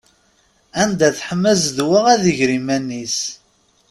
Anda teḥma zzedwa ad iger iman-is.